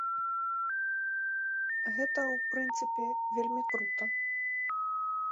Гэта, у прынцыпе, вельмі крута.